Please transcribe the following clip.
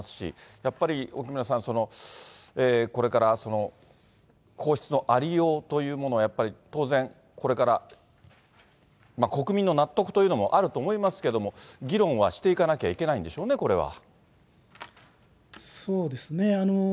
やっぱり沖村さん、これから皇室のありようというもの、やっぱり当然、これから国民の納得というのもあると思いますけれども、議論はしていかなきゃいけないんでしょうね、そうですね。